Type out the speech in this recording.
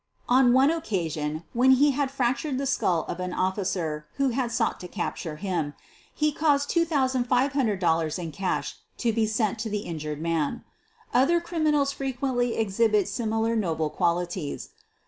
On one occasion, when he had fractured the skull of an of ficer who had sought to capture him, he caused $2,500 in cash to be sent to the injured man. Other criminals frequently exhibit similar noble qualities.